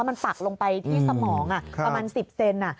มันปักลงไปที่สมองประมาณ๑๐เซน